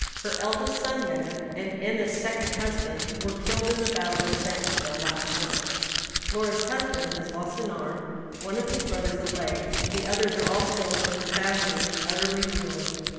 Her eldest son, Ned, and Enna's second husband, were killed in the battle of Bentonville, last March. Lora's husband has lost an arm, one of his brothers a leg; the others are all killed, and the family utterly ruined.